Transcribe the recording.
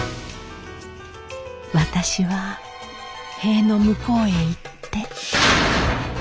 私は塀の向こうへ行って。